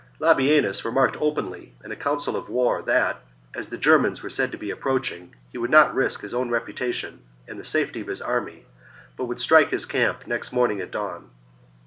Labienus remarked openly in a council of war that, as the Germans were said to be approaching, he would not risk his own reputation and the safety of his army, but would strike his camp next morning at dawn.